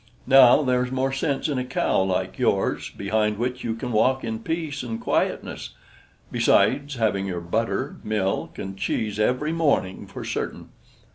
Now, there's more sense in a cow like yours, behind which you can walk in peace and quietness, besides having your butter, milk, and cheese every morning for certain.